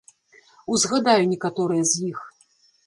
Узгадаю некаторыя з іх.